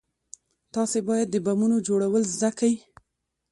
تاسې بايد د بمونو جوړول زده کئ.